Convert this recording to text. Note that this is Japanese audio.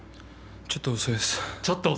ちょっと遅いです。